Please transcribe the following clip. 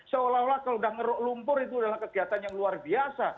seolah olah kalau sudah ngeruk lumpur itu adalah kegiatan yang luar biasa